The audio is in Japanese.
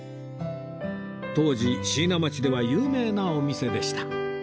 当時椎名町では有名なお店でした